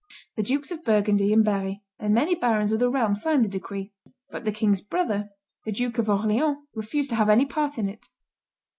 The Dukes of Burgundy and Berry and many barons of the realm signed the decree; but the king's brother, the Duke of Orleans, refused to have any part in it.